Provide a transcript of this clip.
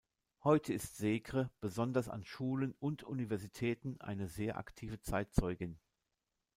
Heute ist Segre, besonders an Schulen und Universitäten, eine sehr aktive Zeitzeugin.